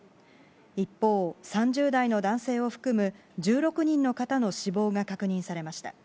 一方、３０代の男性を含む１６人の方の死亡が確認されました。